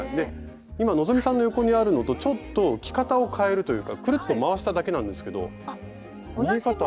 今希さんの横にあるのとちょっと着方を変えるというかくるっと回しただけなんですけど見え方。